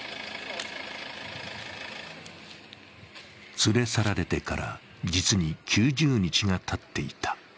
連れ去られてから実に９０日がたっていた。